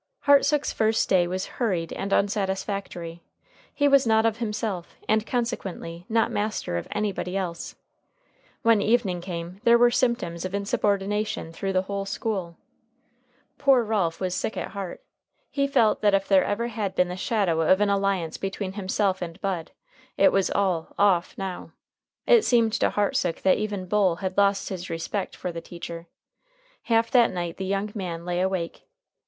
Hartsook's first day was hurried and unsatisfactory. He was not of himself, and consequently not master of anybody else. When evening came, there were symptoms of insubordination through the whole school. Poor Ralph was sick at heart. He felt that if there had ever been the shadow of an alliance between himself and Bud, it was all "off" now. It seemed to Hartsook that even Bull had lost his respect for the teacher. Half that night the young man lay awake.